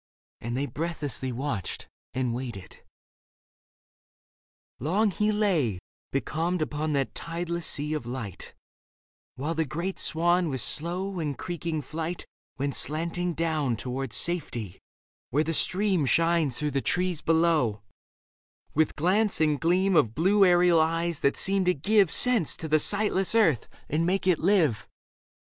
And they Breathlessly watched and waited ; long he lay, Becalmed upon that tideless sea of light, While the great swan with slow and creaking flight Went slanting down towards safety, where the stream Shines through the trees below, with glance and gleam Of blue aerial eyes that seem to give Sense to the sightless earth and make it live.